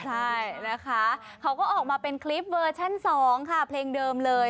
ใช่นะคะเขาก็ออกมาเป็นคลิปเวอร์ชั่น๒ค่ะเพลงเดิมเลย